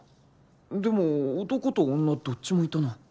でも男と女どっちもいたな